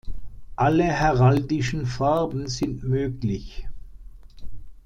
Alle heraldischen Farben sind möglich.